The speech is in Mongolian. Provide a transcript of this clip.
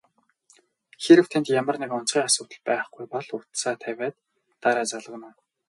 Хэрэв танд ямар нэг онцгой асуудал байхгүй бол утсаа тавиад дараа залгана уу?